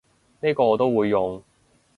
呢個我都會用